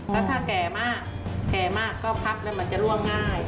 แล้วถ้าแก่มากแก่มากก็พับแล้วมันจะล่วงง่าย